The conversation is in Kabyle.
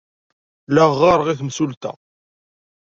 La ɣɣareɣ i temsulta.